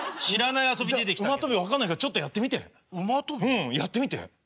うんやってみて。